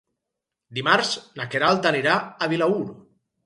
Dimarts na Queralt anirà a Vilaür.